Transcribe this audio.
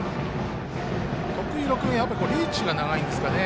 徳弘君はリーチが長いんですかね。